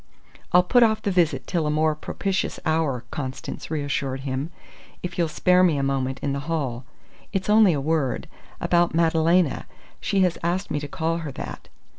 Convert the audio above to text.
"I'll put off the visit till a more propitious hour," Constance reassured him, "if you'll spare me a moment in the hall. It's only a word about Madalena. She has asked me to call her that."